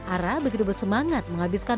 ara begitu bersemangat menghabiskan